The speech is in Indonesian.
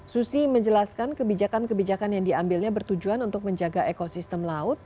susi menjelaskan kebijakan kebijakan yang diambilnya bertujuan untuk menjaga ekosistem laut